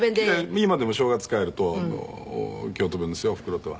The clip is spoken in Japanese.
今でも正月帰ると京都弁ですよおふくろとは。